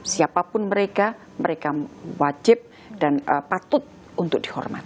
siapapun mereka mereka wajib dan patut untuk dihormati